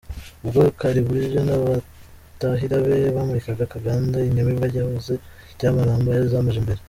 Ubwo Kariburyo n’abatahira be bamurikaga Akaganda inyamibwa yazo Cyamaramba izamuje imbere.